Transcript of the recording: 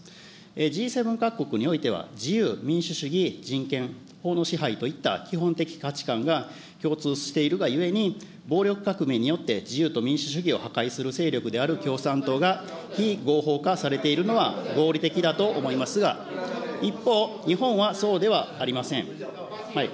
Ｇ７各国においては、自由、民主主義、人権、法の支配といった基本的価値観が共通しているがゆえに、暴力革命によって自由と民主主義を破壊する勢力である共産党が、非合法化されているのは、合理的だと思いますが、一方、日本はそうではありません。